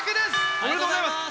ありがとうございます。